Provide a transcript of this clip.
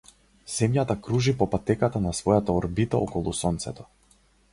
Земјата кружи по патеката на својата орбита околу сонцето.